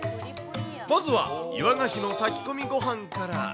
まずは岩ガキの炊き込みご飯から。